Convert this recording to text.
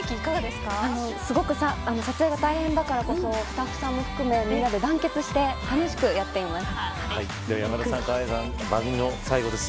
すごく撮影が大変だからこそスタッフさんも含め皆、団結して楽しくやっています。